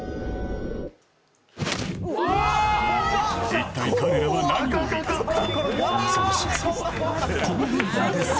一体、彼らは何を見たのか？